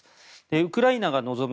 ウクライナが望む